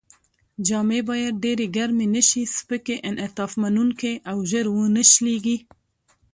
جامې باید ډېرې ګرمې نه شي، سپکې، انعطاف منوونکې او ژر و نه شلېږي.